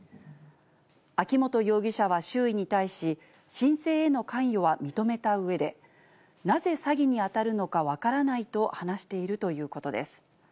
秋本容疑者は周囲に対し、申請への関与は認めたうえで、なぜ詐欺に当たるのか分からないと話しているということです。